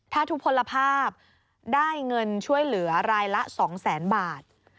ถ้าทุกผลภาพได้เงินช่วยเหลือรายละ๒แสนบาท